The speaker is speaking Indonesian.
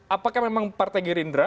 apakah memang partai gerindra